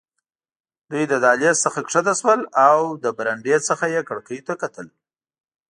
دوی له دهلېز څخه کښته شول او له برنډې څخه یې کړکیو ته کتل.